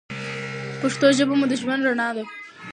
پښتو ژبه مو د ژوند رڼا ده.